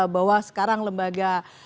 bahwa sekarang lembaga